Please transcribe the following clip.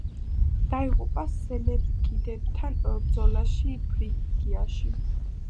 დაიღუპა სელევკიდებთან ბრძოლაში, ფრიგიაში.